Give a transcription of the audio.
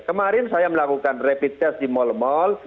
kemarin saya melakukan rapid test di mal mal